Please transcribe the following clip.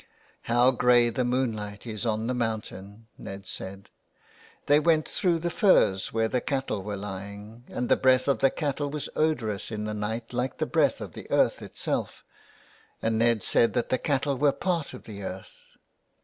How grey the moonlight is on the mountain," Ned said. They went through the furze where the cattle were lying, and the breath of the cattle was odorous in the night like the breath of the earth itself, and Ned said that the cattle were part of the earth.